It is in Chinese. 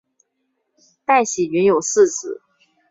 戴喜云有四子。